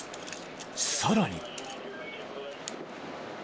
［さらに］